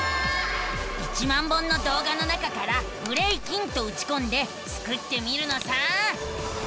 １万本のどうがの中から「ブレイキン」とうちこんでスクってみるのさ！